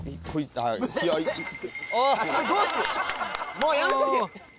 もうやめとけ！